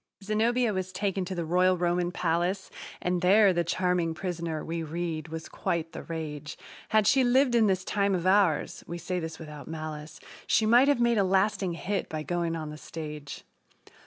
Zenobia was taken to the royal Roman palace And there the charming prisoner, we read, was quite the rage Had she lived in this time of ours (we say this without malice), She might have made a lasting hit by going on the stage.